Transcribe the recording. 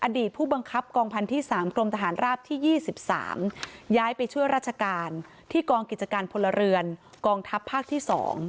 ผู้บังคับกองพันที่๓กรมทหารราบที่๒๓ย้ายไปช่วยราชการที่กองกิจการพลเรือนกองทัพภาคที่๒